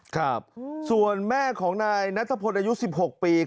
ครับส่วนแม่ของนายณทะพลอายุ๑๖ปีครับ